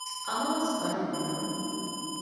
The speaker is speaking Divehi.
އަމާޒު ވަރަށް މޮޅު